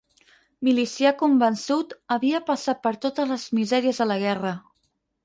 Milicià convençut, havia passat per totes les misèries de la guerra.